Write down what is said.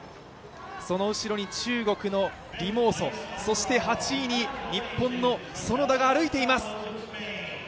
その後ろに中国の李毛措、そして８位に日本の園田が歩いてします。